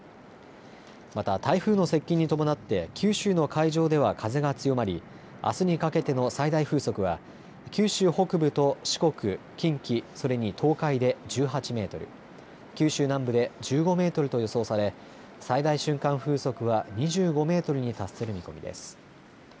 また台風の接近に伴って、九州の海上では風が強まり、あすにかけての最大風速は、九州北部と四国、近畿、それに東海で１８メートル、九州南部で１５メートルと予想され、最大瞬間風速は２５メートルに達する見込みです。